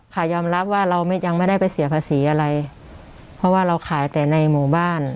ค่ะยอมรับว่าเราไม่ยังไม่ได้ไปเสียภาษีอะไรเพราะว่าเราขายแต่ในหมู่บ้าน